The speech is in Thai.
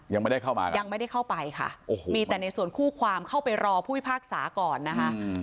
ยังไม่ได้เข้ามายังไม่ได้เข้าไปค่ะโอ้โหมีแต่ในส่วนคู่ความเข้าไปรอผู้พิพากษาก่อนนะคะ